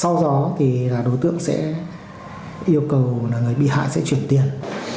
sau đó thì là đối tượng sẽ yêu cầu là người bị hại sẽ chuyển tiền